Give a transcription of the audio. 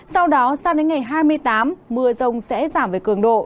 sau đó sang đến ngày hai mươi tám mưa rông sẽ giảm về cường độ